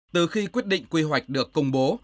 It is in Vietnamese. từ khi quyết định quy hoạch được công bố